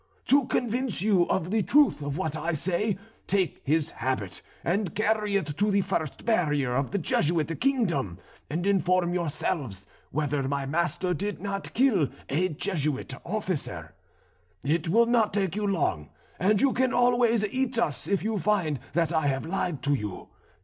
To convince you of the truth of what I say, take his habit and carry it to the first barrier of the Jesuit kingdom, and inform yourselves whether my master did not kill a Jesuit officer. It will not take you long, and you can always eat us if you find that I have lied to you.